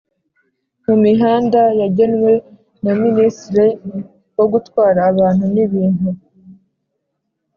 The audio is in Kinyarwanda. mumihanda yagenwe na ministre wo gutwara abantu n’ibintu